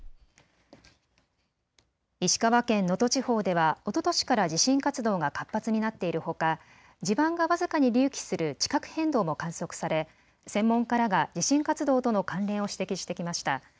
石川県能登地方ではおととしから地震活動が活発になっているほか地盤が僅かに隆起する地殻変動も観測され専門家らが地震活動との関連を指摘してきました。